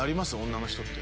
女の人。